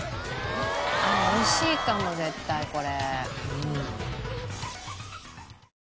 美味しいかも絶対これ。